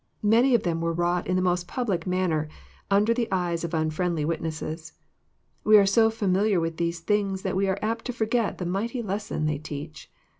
Many of them were wrought in the most public manner, under the eyes of unfriendly witnesses. We are so familiar with these things that we are apt to forget the mighty lesson they teach.